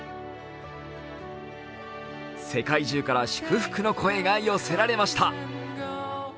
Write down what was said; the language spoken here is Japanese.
世界中から祝福の声が寄せられました。